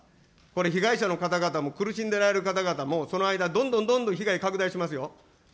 これ、被害者の方々も苦しんでおられる方々も、その間、どんどんどんどん被害拡大しますよ。